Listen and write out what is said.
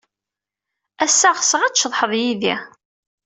Ass-a, ɣseɣ ad tceḍḥed yid-i.